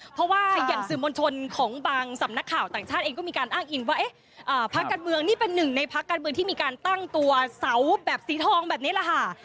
เพราะว่าอย่างสื่อมวลชนของบางสำนักข่าวต่างชาติเองก็มีการอ้างอิงว่าพักการเมืองนี่เป็นหนึ่งในพักการเมืองที่มีการตั้งตัวเสาแบบสีทองแบบนี้แหละค่ะ